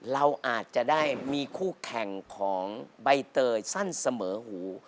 เราอาจจะได้มีคู่แข่งของใบเตยสั้นเสมอหู